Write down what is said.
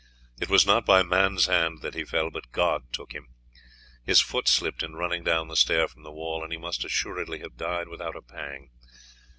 It was not by man's hand that he fell, but God took him. His foot slipped in running down the stair from the wall, and he must assuredly have died without a pang.